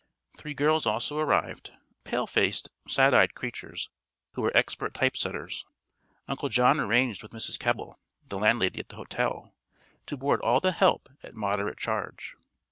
Three girls also arrived, pale faced, sad eyed creatures, who were expert typesetters. Uncle John arranged with Mrs. Kebble, the landlady at the hotel, to board all the "help" at moderate charge.